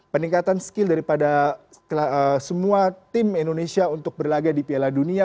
peningkatan skill daripada semua tim indonesia untuk berlagak di piala dunia